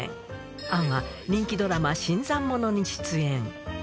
杏は人気ドラマ、新参者に出演。